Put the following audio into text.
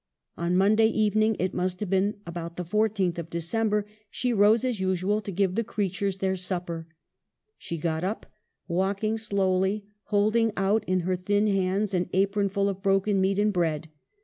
One Monday evening, it must have been about the 14th of December, she rose as usual to give the creatures their supper. She got up, walking slowly, holding out in her thin hands an apronful of broken meat and bread.